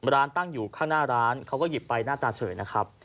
ร้านตั้งอยู่ข้างหน้าร้านเขาก็หยิบไปหน้าตาเฉยนะครับ